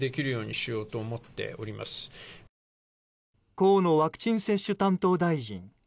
河野ワクチン接種担当大臣。